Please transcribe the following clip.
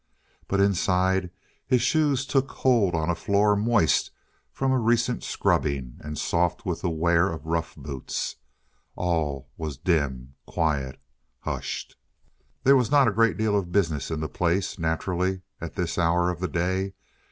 But inside his shoes took hold on a floor moist from a recent scrubbing and soft with the wear of rough boots; and all was dim, quiet, hushed. There was not a great deal of business in the place, naturally, at this hour of the day.